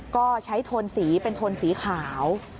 ก็ใช้โทนสีเป็นโทนสีขาว